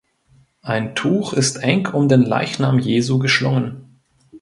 Ein Tuch ist eng um den Leichnam Jesu geschlungen.